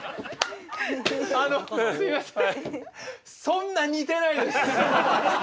そんな似てないです。